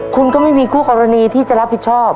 คุณก็ไม่มีคู่กรณีที่จะรับผิดชอบ